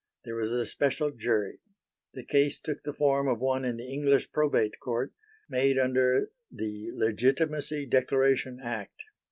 There was a special jury. The case took the form of one in the English Probate Court made under the "Legitimacy Declaration Act."